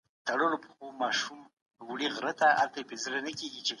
کله به حکومت قونسلګري په رسمي ډول وڅیړي؟